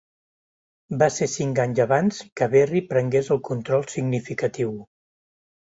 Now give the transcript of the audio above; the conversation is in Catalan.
Va ser cinc anys abans que Berry prengués control significatiu.